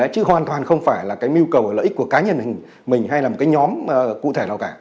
chứ hoàn toàn không phải là cái mưu cầu lợi ích của cá nhân mình hay là một cái nhóm cụ thể nào cả